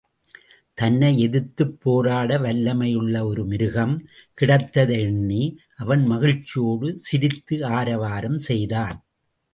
தன்னை எதிர்த்துப் போராட வல்லமையுள்ள ஒரு மிருகம் கிடைத்த்தை எண்ணி, அவன் மகிழ்ச்சியோடு சிரித்து ஆரவாரம் செய்தான்.